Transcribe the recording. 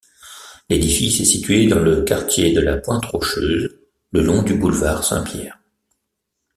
L'édifice est situé dans le quartier de la Pointe-Rocheuse, le long du boulevard Saint-Pierre.